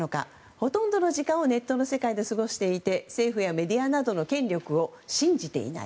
ほとんどの時間をネットの世界で過ごしていて政府やメディアなどの権力を信じていない。